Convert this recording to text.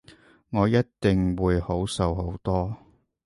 我一定會好受好多